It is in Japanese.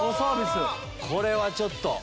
これはちょっと。